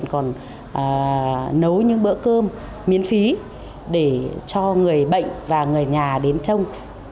còn nấu những bữa cơm miễn phí để cho người bệnh và người nhà đến trông